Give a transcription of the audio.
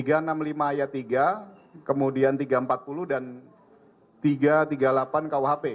tiga ratus enam puluh lima ayat tiga kemudian tiga ratus empat puluh dan tiga ratus tiga puluh delapan kuhp